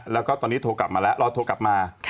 แล้วก็ตอนนี้โทรกลับมาแล้วรอโทรกลับมา